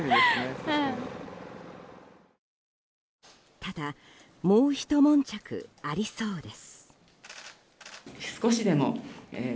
ただもうひと悶着ありそうです。